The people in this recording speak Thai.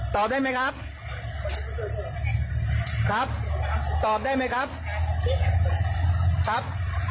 ตอบได้ไหมครับครับตอบได้ไหมครับครับ